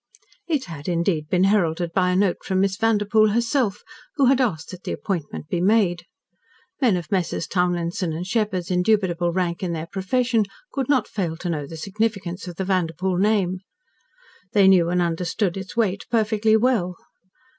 It had, indeed, been heralded by a note from Miss Vanderpoel herself, who had asked that the appointment be made. Men of Messrs. Townlinson & Sheppard's indubitable rank in their profession could not fail to know the significance of the Vanderpoel name. They knew and understood its weight perfectly well.